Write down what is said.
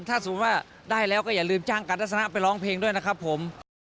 ถ้าสมมุติว่าได้แล้วก็อย่าลืมจ้างการทัศนะไปร้องเพลงด้วยนะครับผม